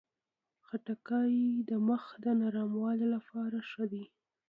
خټکی د مخ د نرموالي لپاره ښه دی.